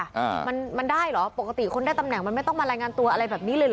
อ่ามันมันได้เหรอปกติคนได้ตำแหน่งมันไม่ต้องมารายงานตัวอะไรแบบนี้เลยเหรอ